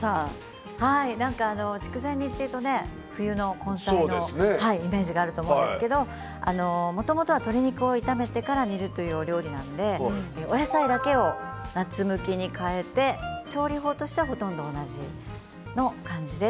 筑前煮というと冬の根菜のイメージがあると思いますけどもともとは鶏肉を炒めてから煮るというお料理なので野菜だけを夏向きに変えて調理法としてはほとんど同じです。